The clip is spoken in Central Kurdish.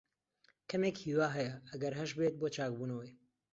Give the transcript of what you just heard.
کەمێک ھیوا ھەیە، ئەگەر ھەشبێت، بۆ چاکبوونەوەی.